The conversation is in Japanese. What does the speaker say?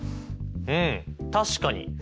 うん確かに！